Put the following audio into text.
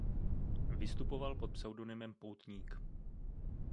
Vystupoval pod pseudonymem Poutník.